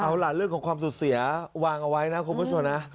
เอาหลานเรื่องของความสุศิลปุ่นเซียวางเอาไว้นะคุณผู้ชมนะ